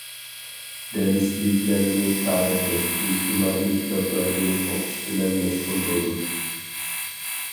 دەرسلىكلەرنى، تارىخىي، ئىجتىمائىي كىتابلارنى ئوقۇش بىلەن مەشغۇل بولدۇم.